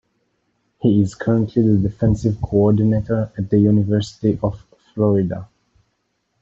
He is currently the defensive coordinator at the University of Florida.